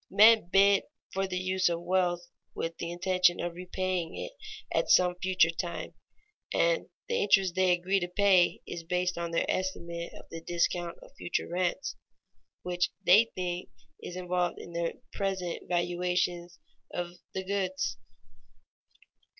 Men bid for the use of wealth with the intention of repaying it at some future time, and the interest they agree to pay is based on their estimate of the discount of future rents, which they think is involved in the present valuations of the goods.